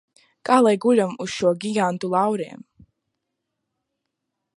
Kā lai guļam uz šo gigantu lauriem?